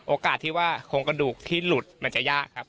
โอกาสที่ว่าโครงกระดูกที่หลุดมันจะยากครับ